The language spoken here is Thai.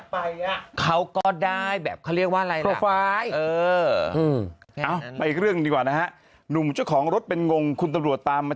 อภัยเราไปอีกเรื่องดีกว่านะฮะหนุ่มเจ้าของรถเป็นงงคุณตมรวจตามมา